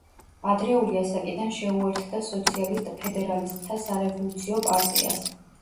ადრეული ასაკიდან შეუერთდა სოციალისტ ფედერალისტთა სარევოლუციო პარტიას.